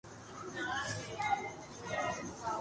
یہ سبق محافظان قوم کب سیکھیں گے؟